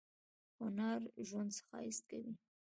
هنر ژوند ښایسته کوي